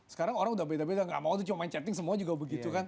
sekarang orang udah beda beda nggak mau tuh cuma main chatting semua juga begitu kan